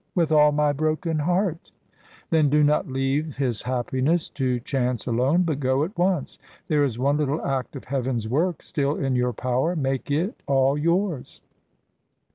"With all my broken heart " "Then do not leave his happiness to chance alone, but go at once. There is one little act of Heaven's work still in your power. Make it all yours."